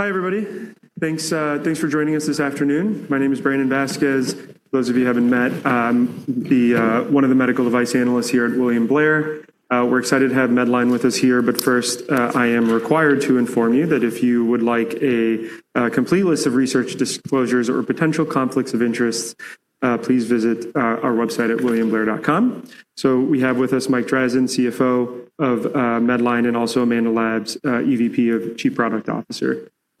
Hi, everybody. Thanks for joining us this afternoon. My name is Brandon Vazquez. For those of you who haven't met, I'm one of the medical device analysts here at William Blair. We're excited to have Medline with us here. First, I am required to inform you that if you would like a complete list of research disclosures or potential conflicts of interest, please visit our website at williamblair.com. We have with us Mike Drazin, CFO of Medline,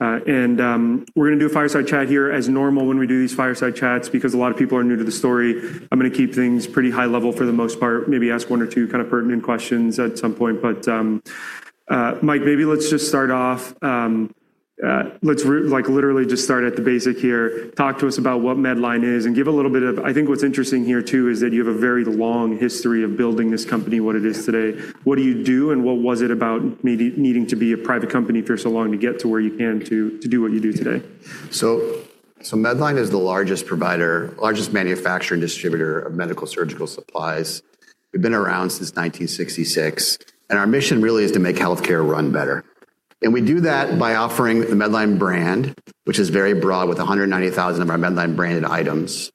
and also Amanda Laabs, EVP and Chief Product Officer. We're going to do a fireside chat here. As normal, when we do these fireside chats, because a lot of people are new to the story, I'm going to keep things pretty high level for the most part, maybe ask one or two pertinent questions at some point. Mike, maybe let's just start off. Let's literally just start at the basic here. Talk to us about what Medline is and give a little bit of I think what's interesting here, too, is that you have a very long history of building this company, what it is today. What do you do, and what was it about maybe needing to be a private company for so long to get to where you can to do what you do today? Medline is the largest provider, largest manufacturer and distributor of medical surgical supplies. We've been around since 1966, and our mission really is to make healthcare run better. We do that by offering the Medline brand, which is very broad, with 190,000 of our Medline branded items.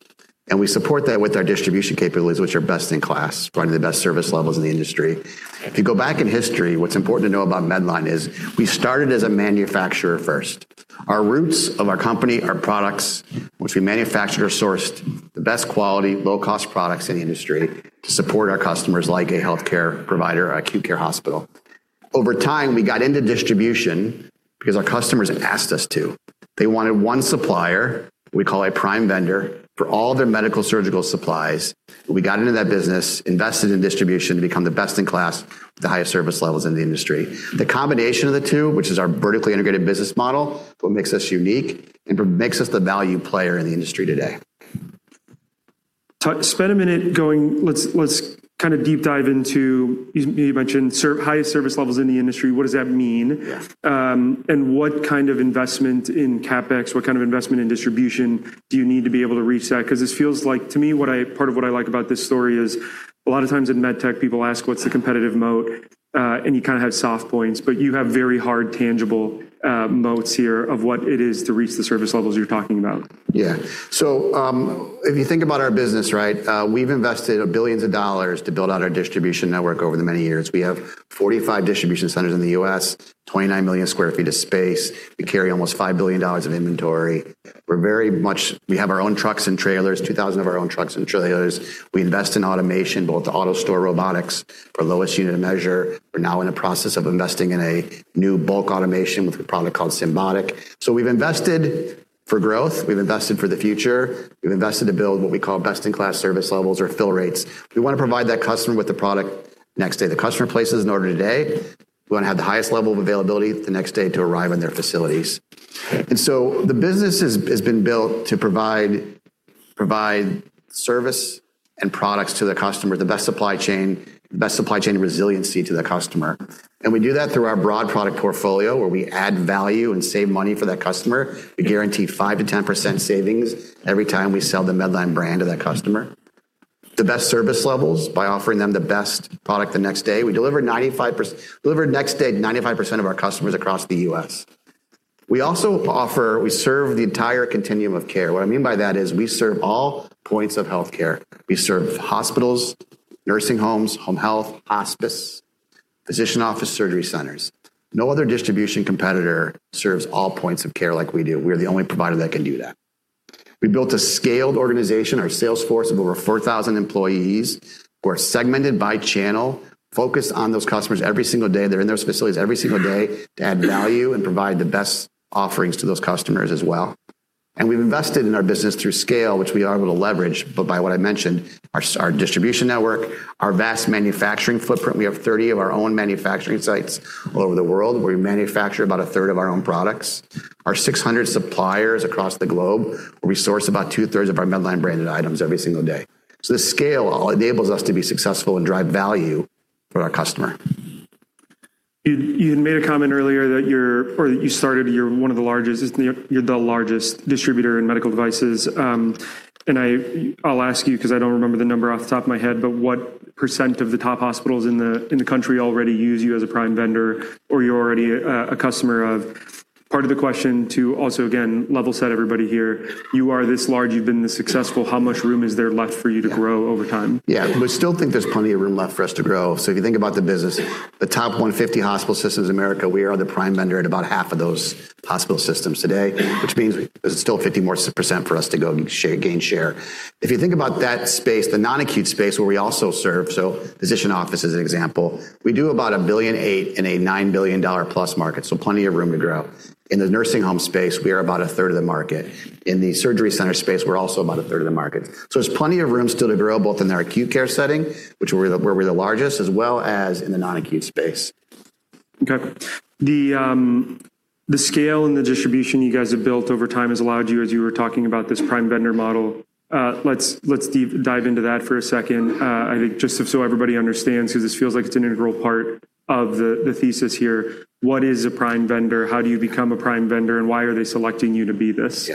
We support that with our distribution capabilities, which are best in class, probably the best service levels in the industry. If you go back in history, what's important to know about Medline is we started as a manufacturer first. Our roots of our company are products which we manufacture or sourced the best quality, low cost products in the industry to support our customers, like a healthcare provider or acute care hospital. Over time, we got into distribution because our customers asked us to. They wanted one supplier, we call a prime vendor, for all their medical surgical supplies. We got into that business, invested in distribution to become the best in class with the highest service levels in the industry. The combination of the two, which is our vertically integrated business model, is what makes us unique and makes us the value player in the industry today. Spend a minute. Let's deep dive into, you mentioned highest service levels in the industry. What does that mean? Yeah. What kind of investment in CapEx, what kind of investment in distribution do you need to be able to reach that? This feels like to me, part of what I like about this story is a lot of times in med tech, people ask, what's the competitive moat? You have soft points, but you have very hard, tangible moats here of what it is to reach the service levels you're talking about. Yeah. If you think about our business, we've invested billions of dollars to build out our distribution network over the many years. We have 45 distribution centers in the U.S., 29 million sq ft of space. We carry almost $5 billion of inventory. We have our own trucks and trailers, 2,000 of our own trucks and trailers. We invest in automation, both AutoStore robotics for lowest unit of measure. We're now in the process of investing in a new bulk automation with a product called Symbotic. We've invested for growth. We've invested for the future. We've invested to build what we call best in class service levels or fill rates. We want to provide that customer with the product next day. The customer places an order today, we want to have the highest level of availability the next day to arrive in their facilities. The business has been built to provide service and products to the customer, the best supply chain, the best supply chain resiliency to the customer. We do that through our broad product portfolio, where we add value and save money for that customer. We guarantee 5%-10% savings every time we sell the Medline brand to that customer. The best service levels by offering them the best product the next day. We deliver next day 95% of our customers across the U.S. We also serve the entire continuum of care. What I mean by that is we serve all points of healthcare. We serve hospitals, nursing homes, home health, hospice, physician office, surgery centers. No other distribution competitor serves all points of care like we do. We're the only provider that can do that. We built a scaled organization, our sales force of over 4,000 employees who are segmented by channel, focused on those customers every single day. They're in those facilities every single day to add value and provide the best offerings to those customers as well. We've invested in our business through scale, which we are able to leverage, by what I mentioned, our distribution network, our vast manufacturing footprint. We have 30 of our own manufacturing sites all over the world, where we manufacture about a third of our own products. Our 600 suppliers across the globe, where we source about two-thirds of our Medline branded items every single day. The scale enables us to be successful and drive value for our customer. You made a comment earlier that you started, you're one of the largest. You're the largest distributor in medical devices. I'll ask you, because I don't remember the number off the top of my head, but what percent of the top hospitals in the country already use you as a prime vendor or you're already a customer of? Part of the question, too, also, again, level set everybody here. You are this large. You've been this successful. How much room is there left for you to grow over time? We still think there's plenty of room left for us to grow. If you think about the business, the top 150 hospital systems in America, we are the prime vendor at about half of those hospital systems today, which means there's still 50 more percent for us to go gain share. If you think about that space, the non-acute space where we also serve, so physician office as an example, we do about $1.8 billion in a $9 billion+ market. Plenty of room to grow. In the nursing home space, we are about 1/3 of the market. In the surgery center space, we're also about 1/3 of the market. There's plenty of room still to grow, both in our acute care setting, which where we're the largest, as well as in the non-acute space. Okay. The scale and the distribution you guys have built over time has allowed you, as you were talking about this prime vendor model. Let's dive into that for a second. I think just so everybody understands, because this feels like it's an integral part of the thesis here. What is a prime vendor? How do you become a prime vendor, and why are they selecting you to be this?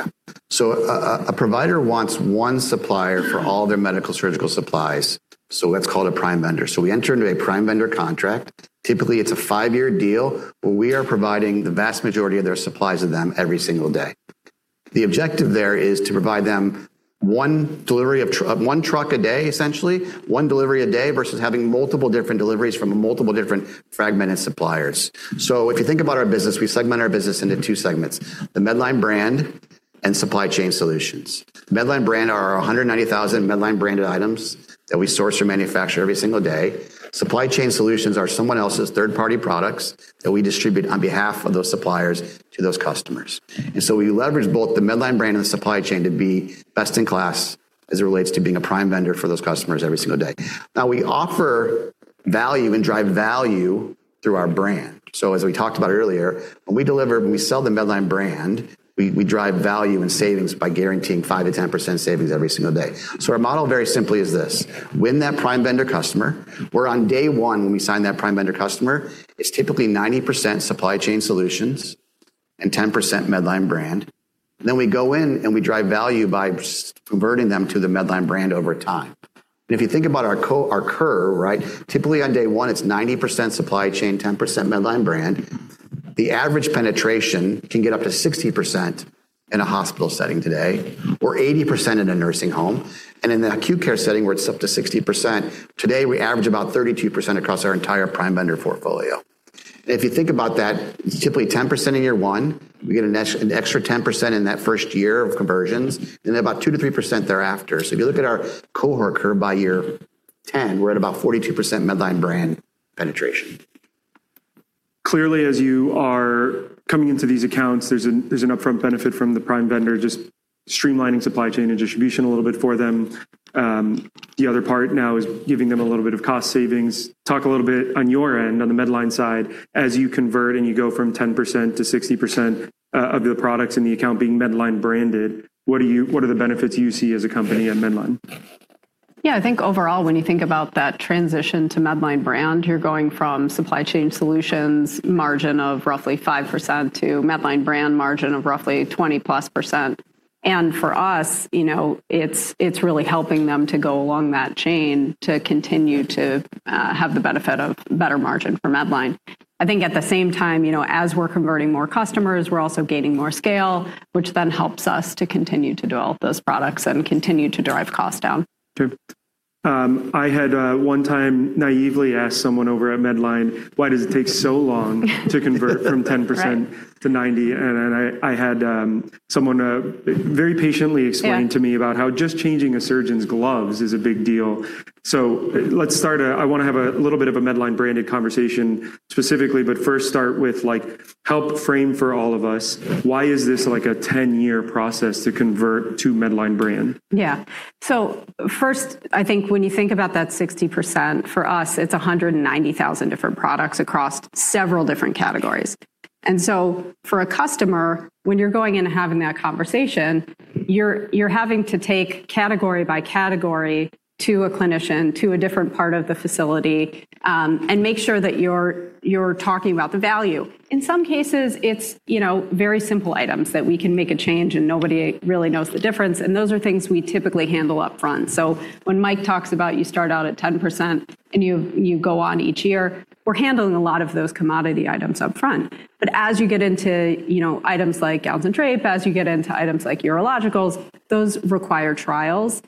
A provider wants one supplier for all their medical surgical supplies. That's called a prime vendor. We enter into a prime vendor contract. Typically, it's a five-year deal where we are providing the vast majority of their supplies to them every single day. The objective there is to provide them one truck a day, essentially, one delivery a day versus having multiple different deliveries from multiple different fragmented suppliers. If you think about our business, we segment our business into two segments, the Medline brand and supply chain solutions. Medline brand are our 190,000 Medline-branded items that we source or manufacture every single day. Supply chain solutions are someone else's third-party products that we distribute on behalf of those suppliers to those customers. We leverage both the Medline brand and the supply chain to be best in class as it relates to being a prime vendor for those customers every single day. Now we offer value and drive value through our brand. As we talked about earlier, when we deliver, when we sell the Medline brand, we drive value and savings by guaranteeing 5%-10% savings every single day. Our model, very simply, is this. Win that prime vendor customer, where on day one when we sign that prime vendor customer, it's typically 90% supply chain solutions and 10% Medline brand. We go in and we drive value by converting them to the Medline brand over time. If you think about our curve, typically on day one, it's 90% supply chain, 10% Medline brand. The average penetration can get up to 60% in a hospital setting today, or 80% in a nursing home, and in the acute care setting, where it's up to 60%. Today, we average about 32% across our entire prime vendor portfolio. If you think about that, it's typically 10% in year one. We get an extra 10% in that first year of conversions, and then about 2%-3% thereafter. If you look at our cohort curve by year 10, we're at about 42% Medline brand penetration. As you are coming into these accounts, there's an upfront benefit from the prime vendor just streamlining supply chain and distribution a little bit for them. The other part now is giving them a little bit of cost savings. Talk a little bit on your end, on the Medline side, as you convert and you go from 10% to 60% of the products in the account being Medline branded, what are the benefits you see as a company at Medline? I think overall, when you think about that transition to Medline brand, you're going from supply chain solutions margin of roughly 5% to Medline brand margin of roughly 20+%. For us, it's really helping them to go along that chain to continue to have the benefit of better margin for Medline. I think at the same time, as we're converting more customers, we're also gaining more scale, which then helps us to continue to develop those products and continue to drive costs down. Sure. I had one time naively asked someone over at Medline, "Why does it take so long to convert from 10% to 90%?" I had someone very patiently explain to me. Yeah about how just changing a surgeon's gloves is a big deal. Let's start. I want to have a little bit of a Medline-branded conversation specifically, but first start with, help frame for all of us, why is this a 10-year process to convert to Medline brand? Yeah. First, I think when you think about that 60%, for us, it's 190,000 different products across several different categories. For a customer, when you're going in and having that conversation, you're having to take category by category to a clinician, to a different part of the facility, and make sure that you're talking about the value. In some cases, it's very simple items that we can make a change and nobody really knows the difference, and those are things we typically handle up front. When Mike talks about you start out at 10% and you go on each year, we're handling a lot of those commodity items up front. As you get into items like drapes, as you get into items like urologicals, those require trials.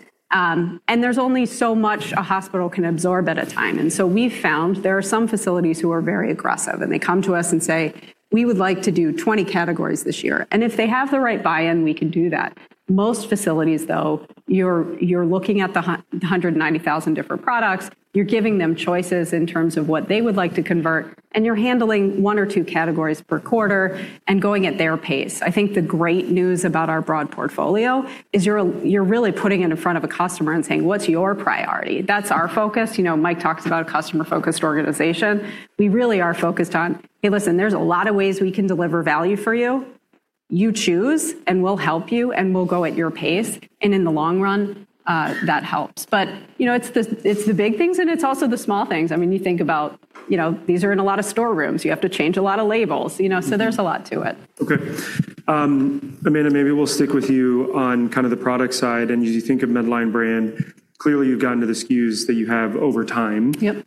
There's only so much a hospital can absorb at a time. We've found there are some facilities who are very aggressive, and they come to us and say, "We would like to do 20 categories this year." If they have the right buy-in, we can do that. Most facilities, though, you're looking at the 190,000 different products, you're giving them choices in terms of what they would like to convert, and you're handling one or two categories per quarter and going at their pace. I think the great news about our broad portfolio is you're really putting it in front of a customer and saying, "What's your priority?" That's our focus. Mike talks about a customer-focused organization. We really are focused on, "Hey, listen, there's a lot of ways we can deliver value for you. You choose, and we'll help you, and we'll go at your pace." In the long run, that helps. It's the big things and it's also the small things. You think about these are in a lot of storerooms. You have to change a lot of labels. There's a lot to it. Okay. Amanda, maybe we'll stick with you on the product side. As you think of Medline brand, clearly you've gotten to the SKUs that you have over time. Yep.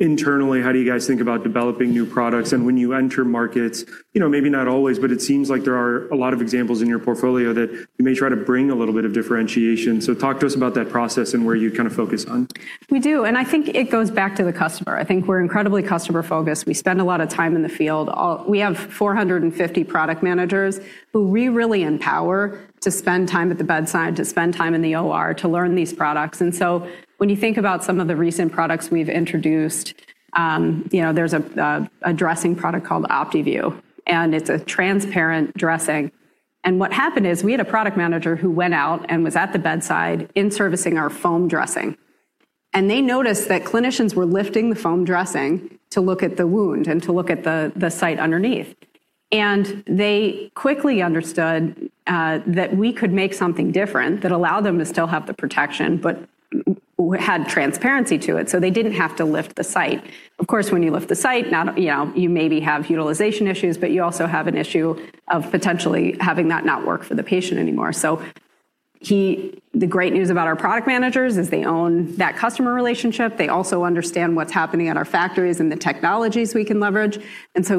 Internally, how do you guys think about developing new products? When you enter markets, maybe not always, but it seems like there are a lot of examples in your portfolio that you may try to bring a little bit of differentiation. Talk to us about that process and where you focus on. We do. I think it goes back to the customer. I think we're incredibly customer-focused. We spend a lot of time in the field. We have 450 product managers who we really empower to spend time at the bedside, to spend time in the OR, to learn these products. When you think about some of the recent products we've introduced, there's a dressing product called OptiView, and it's a transparent dressing. What happened is we had a product manager who went out and was at the bedside in-servicing our foam dressing. They noticed that clinicians were lifting the foam dressing to look at the wound and to look at the site underneath. They quickly understood that we could make something different that allowed them to still have the protection but had transparency to it, so they didn't have to lift the site. Of course, when you lift the site, you maybe have utilization issues, but you also have an issue of potentially having that not work for the patient anymore. The great news about our product managers is they own that customer relationship. They also understand what's happening at our factories and the technologies we can leverage.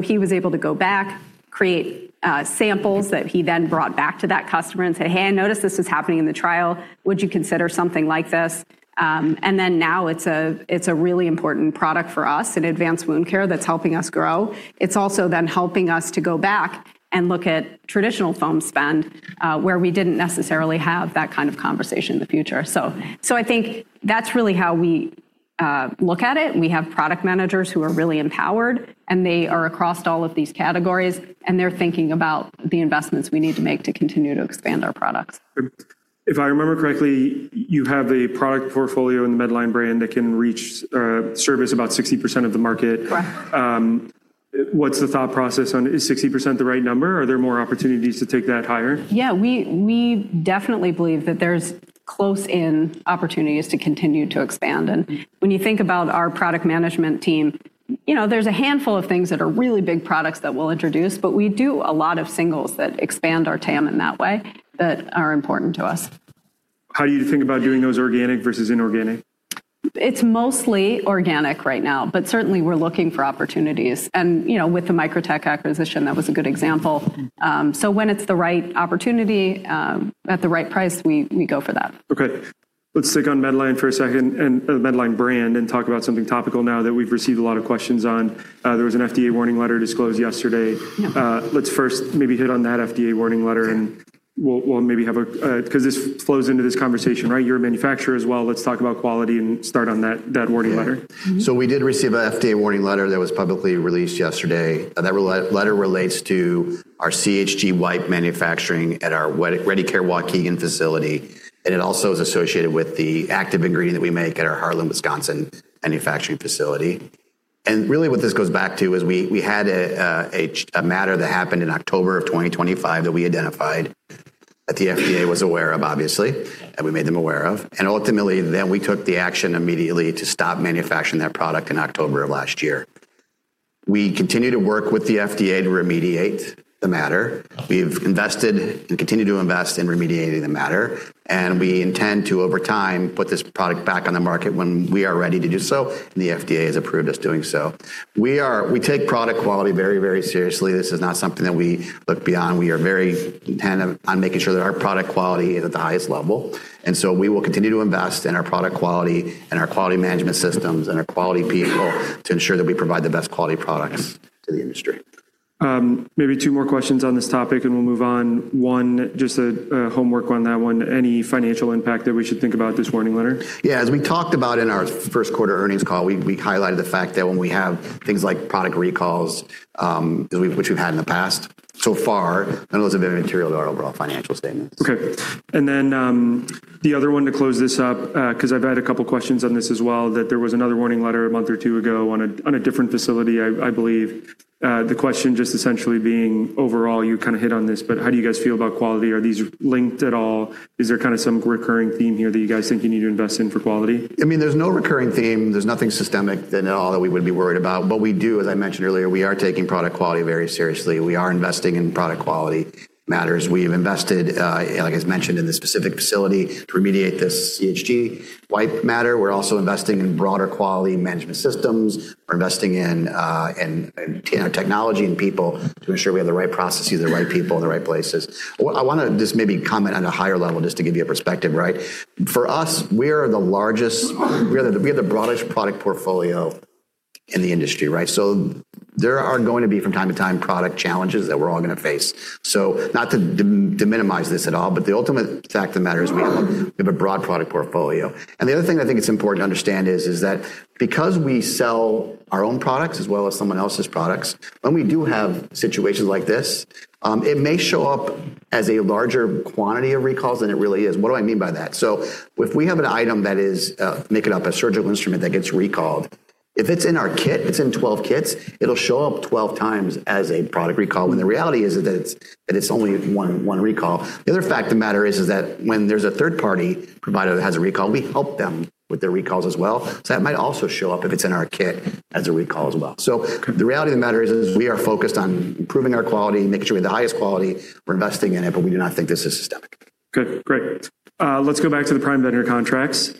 He was able to go back, create samples that he then brought back to that customer and say, "Hey, I noticed this is happening in the trial. Would you consider something like this?" Now it's a really important product for us in advanced wound care that's helping us grow. It's also then helping us to go back and look at traditional foam spend, where we didn't necessarily have that kind of conversation in the future. I think that's really how we look at it. We have product managers who are really empowered. They are across all of these categories. They're thinking about the investments we need to make to continue to expand our products. If I remember correctly, you have a product portfolio in the Medline brand that can reach or service about 60% of the market. Correct. What's the thought process on, is 60% the right number? Are there more opportunities to take that higher? Yeah, we definitely believe that there's close in opportunities to continue to expand. When you think about our product management team, there's a handful of things that are really big products that we'll introduce, but we do a lot of singles that expand our TAM in that way that are important to us. How do you think about doing those organic versus inorganic? It's mostly organic right now, but certainly we're looking for opportunities, and with the Microtek acquisition, that was a good example. When it's the right opportunity, at the right price, we go for that. Okay. Let's stick on Medline for a second, the Medline brand, and talk about something topical now that we've received a lot of questions on. There was an FDA warning letter disclosed yesterday. Yeah. Let's first maybe hit on that FDA warning letter. This flows into this conversation, right? You're a manufacturer as well. Let's talk about quality and start on that warning letter. We did receive an FDA warning letter that was publicly released yesterday. That letter relates to our CHG wipe manufacturing at our ReadyCare Waukegan facility, and it also is associated with the active ingredient that we make at our Hartland, Wisconsin, manufacturing facility. Really what this goes back to is we had a matter that happened in October of 2025 that we identified, that the FDA was aware of obviously, and we made them aware of. Ultimately we took the action immediately to stop manufacturing that product in October of last year. We continue to work with the FDA to remediate the matter. We've invested and continue to invest in remediating the matter, and we intend to, over time, put this product back on the market when we are ready to do so and the FDA has approved us doing so. We take product quality very very seriously. This is not something that we look beyond. We are very intent on making sure that our product quality is at the highest level. We will continue to invest in our product quality and our quality management systems and our quality people to ensure that we provide the best quality products to the industry. Maybe two more questions on this topic. We'll move on. One, just homework on that one. Any financial impact that we should think about this warning letter? Yeah. As we talked about in our first quarter earnings call, we highlighted the fact that when we have things like product recalls, which we've had in the past, so far none of those have been material to our overall financial statements. Okay. The other one to close this up, because I've had a couple questions on this as well, that there was another warning letter a month or two ago on a different facility, I believe. The question just essentially being, overall, you kind of hit on this, but how do you guys feel about quality? Are these linked at all? Is there some recurring theme here that you guys think you need to invest in for quality? There's no recurring theme. There's nothing systemic at all that we would be worried about. We do, as I mentioned earlier, we are taking product quality very seriously. We are investing in product quality matters. We've invested, like I mentioned, in the specific facility to remediate this CHG wipe matter. We're also investing in broader quality management systems. We're investing in technology and people to ensure we have the right processes, the right people in the right places. I want to just maybe comment on a higher level, just to give you a perspective. For us, we have the broadest product portfolio in the industry. There are going to be, from time to time, product challenges that we're all going to face. Not to minimize this at all, but the ultimate fact of the matter is we have a broad product portfolio. The other thing I think it's important to understand is that because we sell our own products as well as someone else's products, when we do have situations like this, it may show up as a larger quantity of recalls than it really is. What do I mean by that? If we have an item that is, make it up, a surgical instrument that gets recalled. If it's in our kit, it's in 12 kits, it'll show up 12 times as a product recall when the reality is that it's only one recall. The other fact of the matter is that when there's a third-party provider that has a recall, we help them with their recalls as well. That might also show up if it's in our kit as a recall as well. The reality of the matter is we are focused on improving our quality, making sure we have the highest quality. We're investing in it, but we do not think this is systemic. Good. Great. Let's go back to the prime vendor contracts.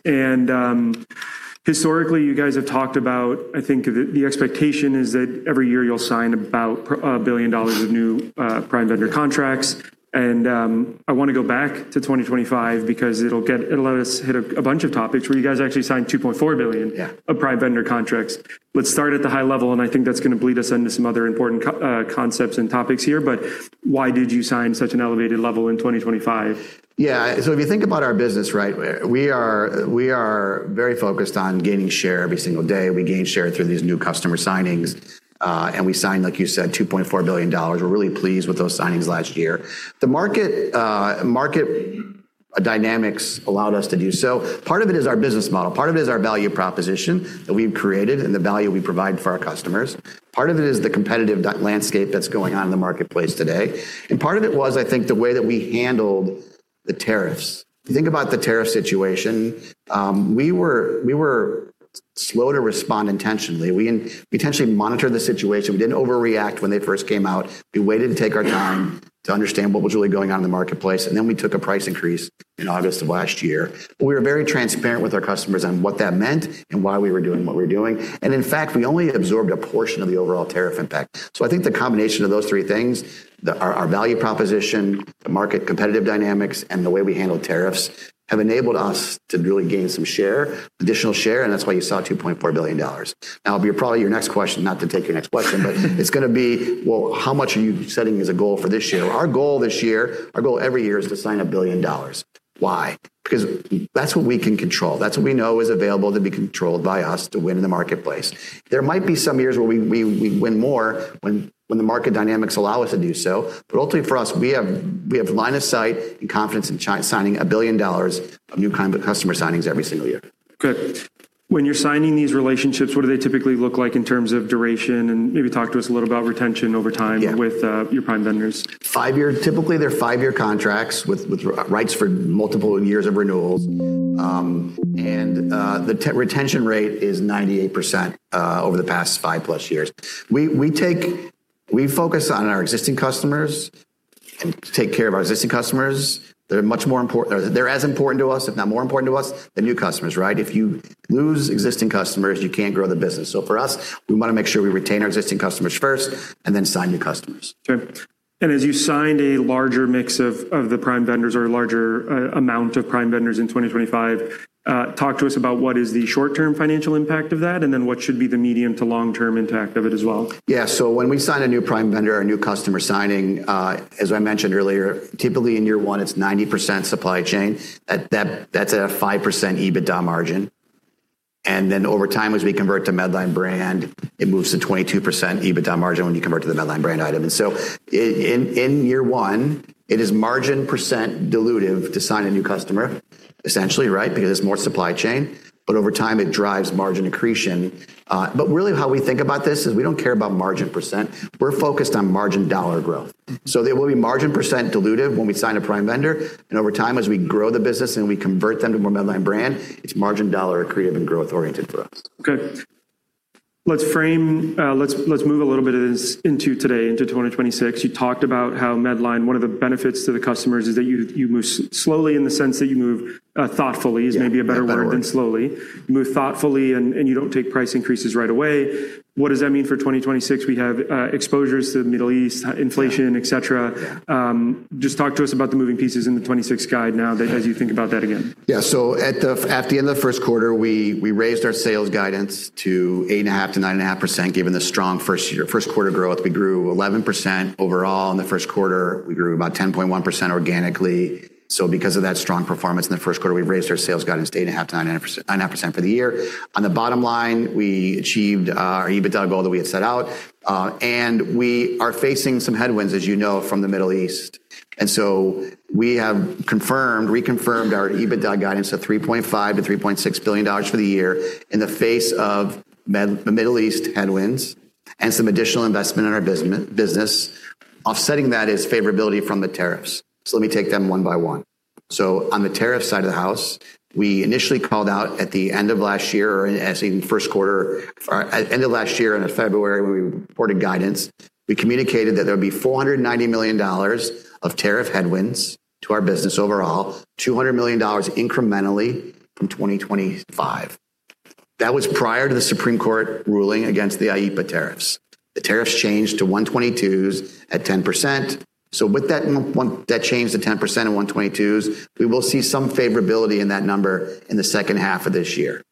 Historically, you guys have talked about, I think the expectation is that every year you'll sign about $1 billion of new prime vendor contracts. I want to go back to 2025 because it'll let us hit a bunch of topics where you guys actually signed $2.4 billion- Yeah of prime vendor contracts. Let's start at the high level, and I think that's going to bleed us into some other important concepts and topics here, but why did you sign such an elevated level in 2025? If you think about our business, we are very focused on gaining share every single day. We gain share through these new customer signings. We signed, like you said, $2.4 billion. We're really pleased with those signings last year. The market dynamics allowed us to do so. Part of it is our business model. Part of it is our value proposition that we've created and the value we provide for our customers. Part of it is the competitive landscape that's going on in the marketplace today. Part of it was, I think, the way that we handled the tariffs. If you think about the tariff situation, we were slow to respond intentionally. We intentionally monitored the situation. We didn't overreact when they first came out. We waited to take our time to understand what was really going on in the marketplace, we took a price increase in August of last year. We were very transparent with our customers on what that meant and why we were doing what we were doing. In fact, we only absorbed a portion of the overall tariff impact. I think the combination of those three things, our value proposition, the market competitive dynamics, and the way we handle tariffs, have enabled us to really gain some additional share, and that's why you saw $2.4 billion. Probably your next question, not to take your next question, but it's going to be, well, how much are you setting as a goal for this year? Our goal this year, our goal every year, is to sign $1 billion. Why? Because that's what we can control. That's what we know is available to be controlled by us to win in the marketplace. There might be some years where we win more when the market dynamics allow us to do so. Ultimately for us, we have line of sight and confidence in signing $1 billion of new customer signings every single year. Okay. When you're signing these relationships, what do they typically look like in terms of duration? Maybe talk to us a little about retention over time? Yeah with your prime vendors. Typically, they're five-year contracts with rights for multiple years of renewals. The retention rate is 98% over the past 5+ years. We focus on our existing customers and take care of our existing customers. They're as important to us, if not more important to us, than new customers, right? If you lose existing customers, you can't grow the business. For us, we want to make sure we retain our existing customers first and then sign new customers. Sure. As you signed a larger mix of the prime vendors or a larger amount of prime vendors in 2025, talk to us about what is the short-term financial impact of that, and then what should be the medium to long-term impact of it as well. When we sign a new prime vendor, a new customer signing, as I mentioned earlier, typically in year one, it's 90% supply chain. That's at a 5% EBITDA margin. Over time, as we convert to Medline brand, it moves to 22% EBITDA margin when you convert to the Medline brand item. In year one, it is margin percent dilutive to sign a new customer, essentially, right, because it's more supply chain. Over time, it drives margin accretion. Really how we think about this is we don't care about margin percent. We're focused on margin dollar growth. They will be margin percent dilutive when we sign a prime vendor, and over time, as we grow the business and we convert them to more Medline brand, it's margin dollar accretive and growth-oriented for us. Okay. Let's move a little bit into today, into 2026. You talked about how Medline, one of the benefits to the customers is that you move slowly in the sense that you move thoughtfully. Yeah. That word is maybe a better word than slowly. You move thoughtfully. You don't take price increases right away. What does that mean for 2026? We have exposures to the Middle East, inflation, et cetera. Yeah. Just talk to us about the moving pieces in the 2026 guide now as you think about that again? At the end of the first quarter, we raised our sales guidance to 8.5%-9.5%, given the strong first quarter growth. We grew 11% overall in the first quarter. We grew about 10.1% organically. Because of that strong performance in the first quarter, we've raised our sales guidance 8.5%-9.5% for the year. On the bottom line, we achieved our EBITDA goal that we had set out. We are facing some headwinds, as you know, from the Middle East. We have reconfirmed our EBITDA guidance of $3.5 billion-$3.6 billion for the year in the face of the Middle East headwinds and some additional investment in our business. Offsetting that is favorability from the tariffs. Let me take them one by one. On the tariff side of the house, we initially called out at the end of last year or end of February, when we reported guidance, we communicated that there would be $490 million of tariff headwinds to our business overall, $200 million incrementally from 2025. That was prior to the Supreme Court ruling against the IEEPA tariffs. The tariffs changed to 122s at 10%. With that change to 10% at 122s, we will see some favorability in that number in the second half of this year.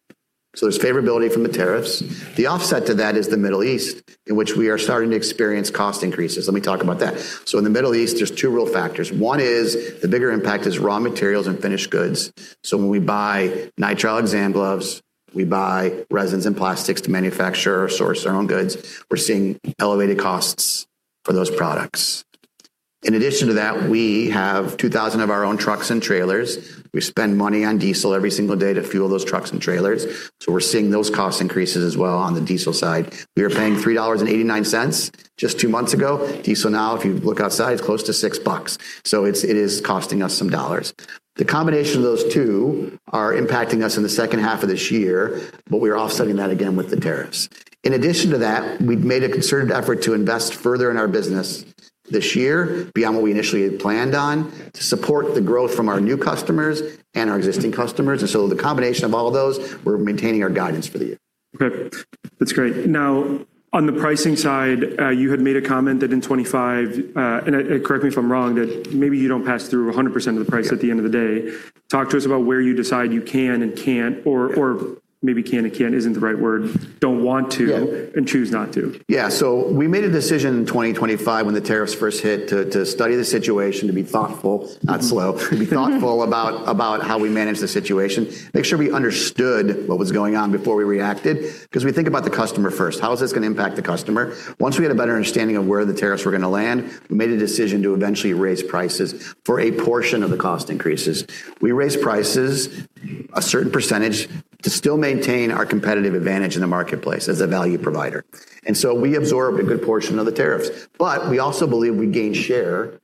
There's favorability from the tariffs. The offset to that is the Middle East, in which we are starting to experience cost increases. Let me talk about that. In the Middle East, there's two real factors. One is the bigger impact is raw materials and finished goods. When we buy nitrile exam gloves, we buy resins and plastics to manufacture or source our own goods, we're seeing elevated costs for those products. In addition to that, we have 2,000 of our own trucks and trailers. We spend money on diesel every single day to fuel those trucks and trailers. We're seeing those cost increases as well on the diesel side. We were paying $3.89 just two months ago. Diesel now, if you look outside, is close to $6. It is costing us some dollars. The combination of those two are impacting us in the second half of this year, but we're offsetting that again with the tariffs. In addition to that, we've made a concerted effort to invest further in our business this year, beyond what we initially had planned on, to support the growth from our new customers and our existing customers. The combination of all those, we're maintaining our guidance for the year. Okay. That's great. On the pricing side, you had made a comment that in 2025, and correct me if I'm wrong, that maybe you don't pass through 100% of the price at the end of the day. Talk to us about where you decide you can and can't, or maybe can and can't isn't the right word. Yeah and choose not to. Yeah. We made a decision in 2025 when the tariffs first hit to study the situation, to be thoughtful, not slow, to be thoughtful about how we manage the situation. We made sure we understood what was going on before we reacted, because we think about the customer first. Once we had a better understanding of where the tariffs were going to land, we made a decision to eventually raise prices for a portion of the cost increases. We raised prices a certain percentage to still maintain our competitive advantage in the marketplace as a value provider. We absorb a good portion of the tariffs. We also believe we gain share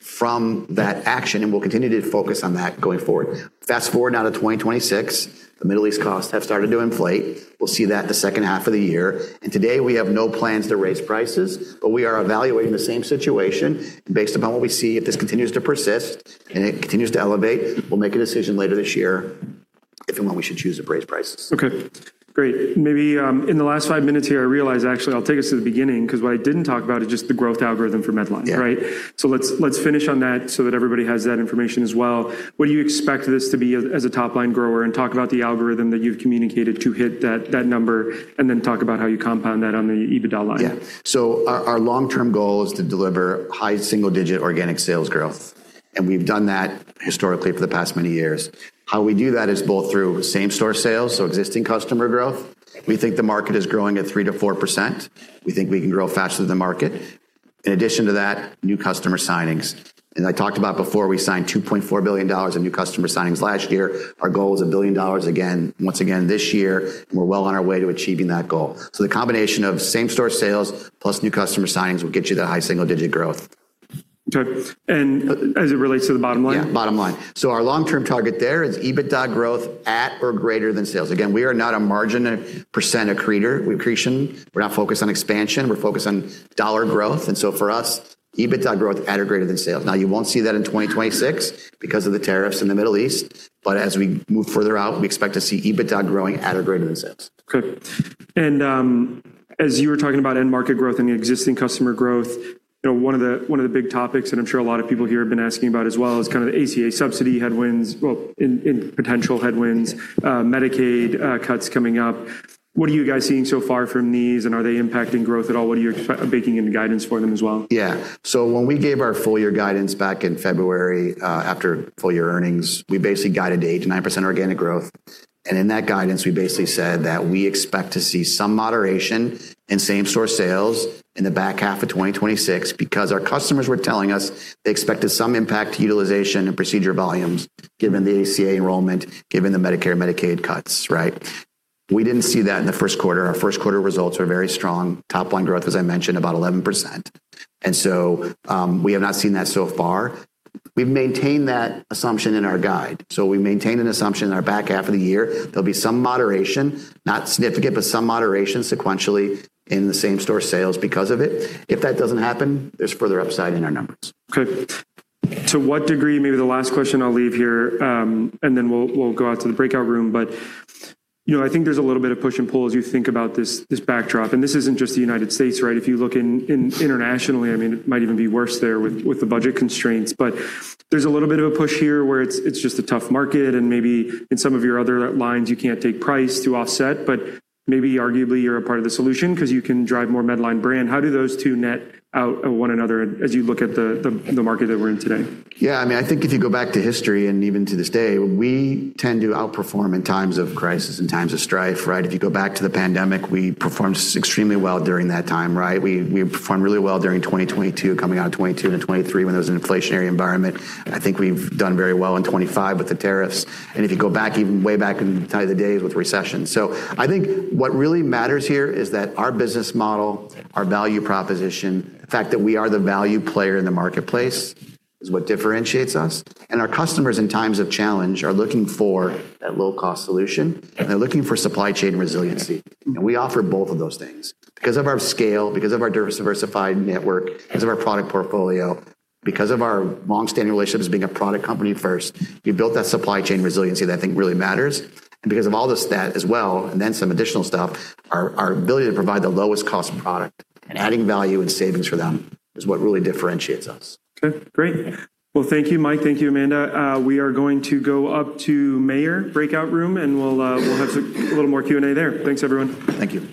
from that action, and we'll continue to focus on that going forward. Fast-forward now to 2026, the Middle East costs have started to inflate. We'll see that the second half of the year. Today, we have no plans to raise prices, but we are evaluating the same situation based upon what we see. If this continues to persist and it continues to elevate, we'll make a decision later this year if and when we should choose to raise prices. Okay, great. Maybe in the last five minutes here, I realize actually I'll take us to the beginning, because what I didn't talk about is just the growth algorithm for Medline. Yeah. Let's finish on that so that everybody has that information as well. What do you expect this to be as a top-line grower? Talk about the algorithm that you've communicated to hit that number, and then talk about how you compound that on the EBITDA line. Yeah. Our long-term goal is to deliver high single-digit organic sales growth, and we've done that historically for the past many years. How we do that is both through same-store sales, so existing customer growth. We think the market is growing at 3%-4%. We think we can grow faster than the market. In addition to that, new customer signings. As I talked about before, we signed $2.4 billion of new customer signings last year. Our goal is $1 billion again, once again this year. We're well on our way to achieving that goal. The combination of same-store sales plus new customer signings will get you that high single-digit growth. Okay. As it relates to the bottom line? Yeah. Bottom line. Our long-term target there is EBITDA growth at or greater than sales. Again, we are not a margin percent accretion. We're not focused on expansion. We're focused on dollar growth. For us, EBITDA growth at or greater than sales. Now, you won't see that in 2026 because of the tariffs in the Middle East, but as we move further out, we expect to see EBITDA growing at or greater than sales. Okay. As you were talking about end market growth and existing customer growth, one of the big topics, and I'm sure a lot of people here have been asking about as well, is kind of the ACA subsidy headwinds, well, in potential headwinds, Medicaid cuts coming up. What are you guys seeing so far from these, and are they impacting growth at all? What are you baking into guidance for them as well? When we gave our full-year guidance back in February after full-year earnings, we basically guided to 8%-9% organic growth. In that guidance, we basically said that we expect to see some moderation in same-store sales in the back half of 2026 because our customers were telling us they expected some impact to utilization and procedure volumes given the ACA enrollment, given the Medicare Medicaid cuts. We didn't see that in the first quarter. Our first quarter results are very strong. Top-line growth, as I mentioned, about 11%. We have not seen that so far. We've maintained that assumption in our guide. We maintain an assumption in our back half of the year there'll be some moderation, not significant, but some moderation sequentially in the same-store sales because of it. If that doesn't happen, there's further upside in our numbers. Okay. To what degree, maybe the last question I'll leave here, and then we'll go out to the breakout room. I think there's a little bit of push and pull as you think about this backdrop, and this isn't just the U.S. If you look internationally, it might even be worse there with the budget constraints. There's a little bit of a push here where it's just a tough market, and maybe in some of your other lines, you can't take price to offset. Maybe arguably you're a part of the solution because you can drive more Medline brand. How do those two net out one another as you look at the market that we're in today? I think if you go back to history and even to this day, we tend to outperform in times of crisis and times of strife. If you go back to the pandemic, we performed extremely well during that time. We performed really well during 2022, coming out of 2022 into 2023, when there was an inflationary environment. I think we've done very well in Section 122 with the tariffs, if you go back, even way back in the days with recessions. I think what really matters here is that our business model, our value proposition, the fact that we are the value player in the marketplace is what differentiates us. Our customers, in times of challenge, are looking for that low-cost solution. They're looking for supply chain resiliency. We offer both of those things because of our scale, because of our diversified network, because of our product portfolio, because of our long-standing relationships being a product company first, we built that supply chain resiliency that I think really matters. Because of all this that as well and then some additional stuff, our ability to provide the lowest cost product and adding value and savings for them is what really differentiates us. Okay, great. Well, thank you, Mike. Thank you, Amanda. We are going to go up to Mayer breakout room, and we'll have a little more Q&A there. Thanks, everyone. Thank you.